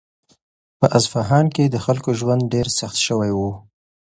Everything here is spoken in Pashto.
په اصفهان کې د خلکو ژوند ډېر سخت شوی و.